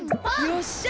よっしゃ！